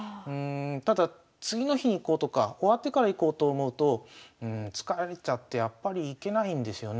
ただ次の日に行こうとか終わってから行こうと思うと疲れちゃってやっぱり行けないんですよね。